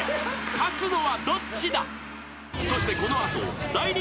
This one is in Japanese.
［勝つのはどっちだ？］